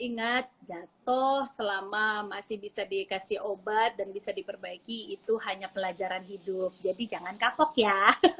ingat jatuh selama masih bisa dikasih obat dan bisa diperbaiki itu hanya pelajaran hidup jadi jangan kakok ya